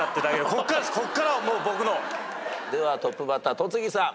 ここからはもう僕の。ではトップバッター戸次さん。